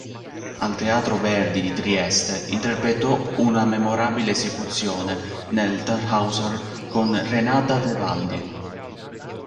Al Teatro Verdi di Trieste interpretò una memorabile esecuzione nel "Tannhäuser" con Renata Tebaldi.